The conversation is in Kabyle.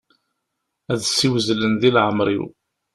Ad ssiwzilen di leɛmer-iw.